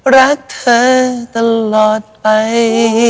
รักเธอตลอดไป